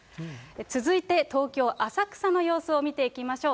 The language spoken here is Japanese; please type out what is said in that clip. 続いて、東京・浅草の様子を見ていきましょう。